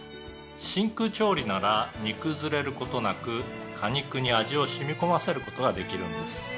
「真空調理なら煮崩れる事なく果肉に味を染み込ませる事ができるんです」